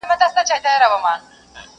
زه چي غرغړې ته ورختلم اسمان څه ویل!!